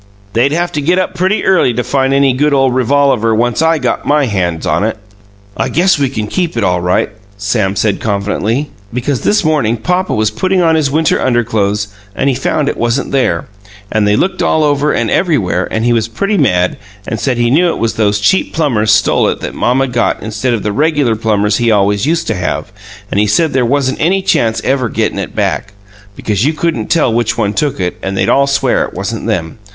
"They'd have to get up pretty early to find any good ole revolaver, once I got MY hands on it!" "I guess we can keep it, all right," Sam said confidentially. "Because this morning papa was putting on his winter underclothes and he found it wasn't there, and they looked all over and everywhere, and he was pretty mad, and said he knew it was those cheap plumbers stole it that mamma got instead of the regular plumbers he always used to have, and he said there wasn't any chance ever gettin' it back, because you couldn't tell which one took it, and they'd all swear it wasn't them.